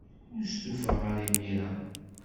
Ur stufaɣ ara imir-a.